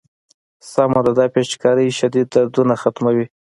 سمه ده دا پيچکارۍ شديد دردونه ختموي.